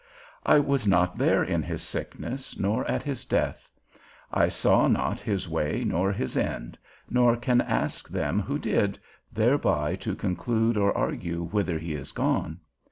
I was not there in his sickness, nor at his death; I saw not his way nor his end, nor can ask them who did, thereby to conclude or argue whither he is gone.